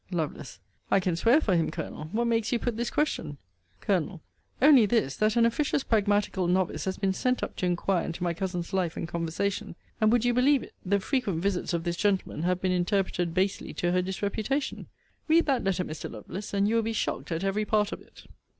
Lovel. I can swear for him, Colonel. What makes you put this question? Col. Only this: that an officious pragmatical novice has been sent up to inquire into my cousin's life and conversation: And, would you believe it? the frequent visits of this gentlemen have been interpreted basely to her disreputation. Read that letter, Mr. Lovelace; and you will be shocked at ever part of it.